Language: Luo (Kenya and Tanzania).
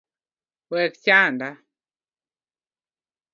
Wek chanda